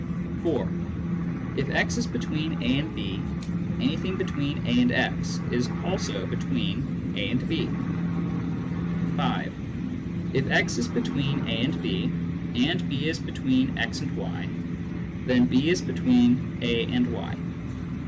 (4.) If x is between a and b, anything between a and x is also between a and b. (5) If x is between a and b, and b is between x and y, then b is between a and y.